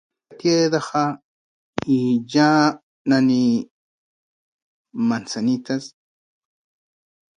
Katie'e daja iin yaa nani mansanitas.